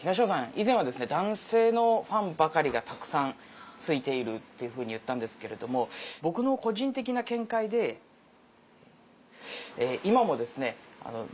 以前は男性のファンばかりがたくさん憑いているというふうに言ったんですけれども僕の個人的な見解で今も。